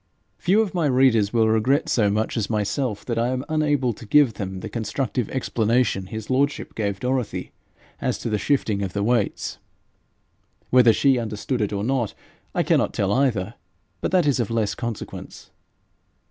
Few of my readers will regret so much as myself that I am unable to give them the constructive explanation his lordship gave Dorothy as to the shifting of the weights. Whether she understood it or not, I cannot tell either, but that is of less consequence.